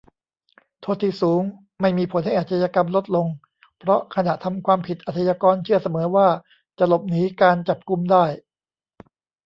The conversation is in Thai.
"โทษที่สูงไม่มีผลให้อาชญากรรมลดลง เพราะขณะทำความผิดอาชญากรเชื่อเสมอว่าจะหลบหนีการจับกุมได้"